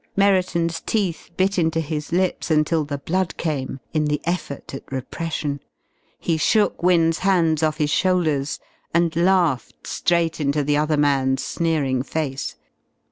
Merriton's teeth bit into his lips until the blood came in the effort at repression. He shook Wynne's hands off his shoulders and laughed straight into the other man's sneering face.